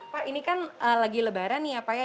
pak ini kan lagi lebaran nih ya pak ya